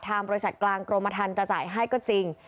ทางบริษัทกลางกรมฐานจะจ่ายให้ก็จริง